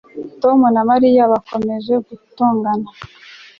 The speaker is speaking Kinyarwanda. Tom na Mariya bakomeje gutongana